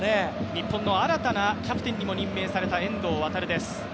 日本の新たなキャプテンにも任命された遠藤航です。